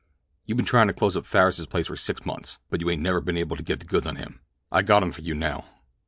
"You been tryin' to close up Farris's place for six months; but you ain't never been able to get the goods on him. I got 'em for you, now."